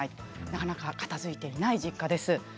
なかなか片づいていない実家です。